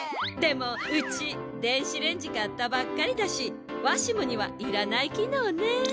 でもうち電子レンジ買ったばっかりだしわしもにはいらないきのうね。